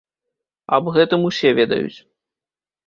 Аб гэтым усе ведаюць.